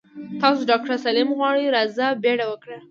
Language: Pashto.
تاسو ډاکټره سليمه غواړي راځه بيړه وکړه.